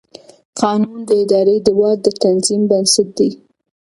قانون د ادارې د واک د تنظیم بنسټ دی.